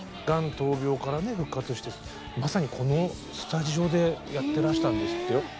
がん闘病からね復活してまさにこのスタジオでやってらしたんですってよ。